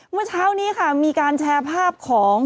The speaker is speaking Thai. เมื่อเช้านี้ค่ะมีการแชร์ภาพของ